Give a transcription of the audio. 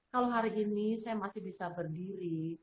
kalau hari ini saya masih bisa berdiri